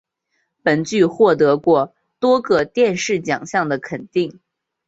本剧获得过多个电视奖项的肯定。